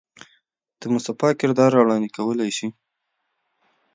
د مصطفى کردار را وړاندې کولے شي.